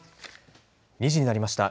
２時になりました。